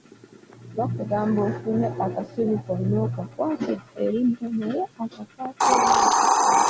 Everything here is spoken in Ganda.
Bakugamba ofune akasubi konna okakwate eludda naye akakwate eluuyi.